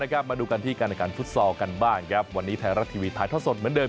กลับมาดูกันที่ฟุตซอลกันบ้างวันนี้ไทยรัททีวีถาดสดเหมือนเดิม